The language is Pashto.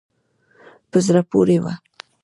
په زړه پورې وه.